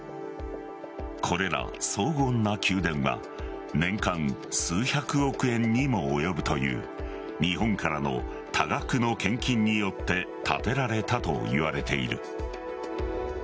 これら荘厳な宮殿は年間数百億円にも及ぶという日本からの多額の献金によって建てられたといわれている。